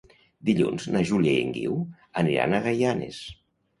Dilluns na Júlia i en Guiu aniran a Gaianes.